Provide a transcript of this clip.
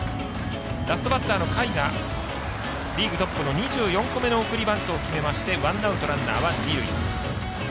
ラストバッターの甲斐がリーグトップの２４個目の送りバントを決めましてワンアウト、ランナーは二塁。